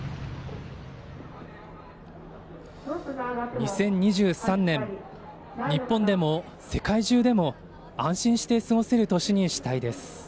２０２３年日本でも、世界中でも安心して過ごせる年にしたいです。